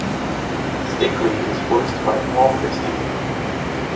Stickly is voiced by Paul Christie.